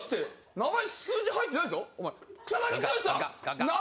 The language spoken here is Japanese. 名前数字入ってないぞ！